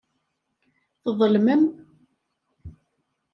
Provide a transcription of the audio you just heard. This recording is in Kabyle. Tḍelmem.